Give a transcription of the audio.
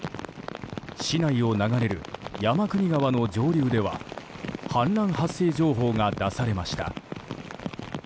市内を流れる山国川の上流では氾濫発生情報が出されました。